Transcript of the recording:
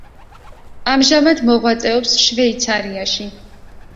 ამჟამად მოღვაწეობს შვეიცარიაში.